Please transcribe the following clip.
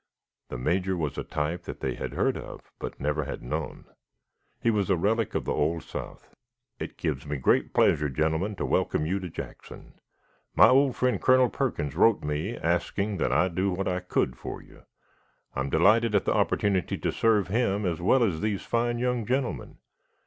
The Major was a type that they had heard of, but never had known. He was a relic of the old South. "It gives me great pleasure, gentlemen, to welcome you to Jackson. My old friend Colonel Perkins wrote me asking that I do what I could for you. I am delighted at the opportunity to serve him as well as these fine young gentlemen.